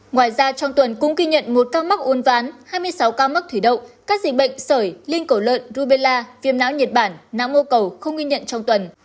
ngoài ra trong tuần cũng ghi nhận một ca mắc uôn ván hai mươi sáu ca mắc thủy đậu các dịch bệnh sởi linh cổ lợn rubella viêm não nhật bản não mô cầu không ghi nhận trong tuần